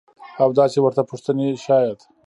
او داسې ورته پوښتنې شايد.